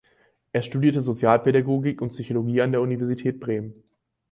Er studierte Sozialpädagogik und Psychologie an der Universität Bremen.